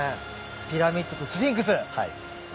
ピラミッドとスフィンクス！